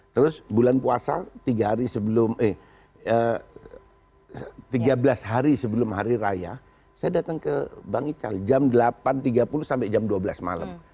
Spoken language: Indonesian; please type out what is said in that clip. terus bulan puasa tiga hari sebelum eh tiga belas hari sebelum hari raya saya datang ke bang ical jam delapan tiga puluh sampai jam dua belas malam